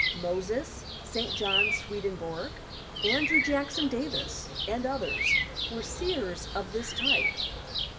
Moses, St. John, Swedenborg, Andrew Jackson Davis and others were seers of this type.